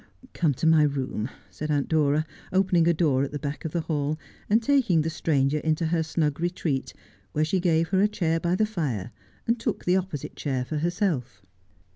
' Come to my room,' said Aunt Dora, opening a door at the back of the hall, and taking the stranger into her snug retreat, where she gave her a chair by the fire, and took the opposite chair for herself.